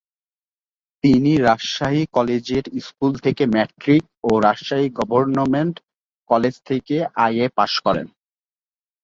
তিনি Rajshahi collegiate school থেকে matric ও রাজশাহী গভর্নমেন্ট কলেজ থেকে আইএ পাশ করেন।